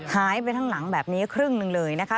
หายไปทั้งหลังแบบนี้ครึ่งหนึ่งเลยนะคะ